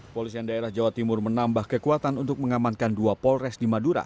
polisian daerah jawa timur menambah kekuatan untuk mengamankan dua polres di madura